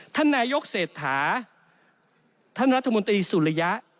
ท่านนายกเศรษฐาท่านรัฐมนตรีสุริยะ